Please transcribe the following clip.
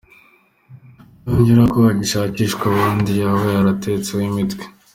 Yongeraho ko hagishakishwa abandi yaba yaratetseho imitwe.